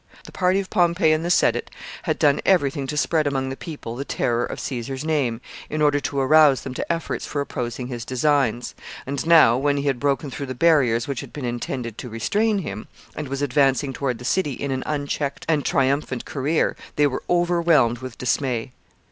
The party of Pompey and the Senate had done every thing to spread among the people the terror of Caesar's name, in order to arouse them to efforts for opposing his designs; and now, when he had broken through the barriers which had been intended to restrain him, and was advancing toward the city in an unchecked and triumphant career, they were overwhelmed with dismay.